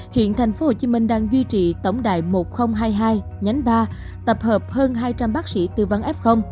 hiện tp hcm đang duy trì tổng đài một nghìn hai mươi hai nhánh ba tập hợp hơn hai trăm linh bác sĩ tư vấn f